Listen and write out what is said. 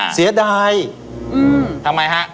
เสียดาย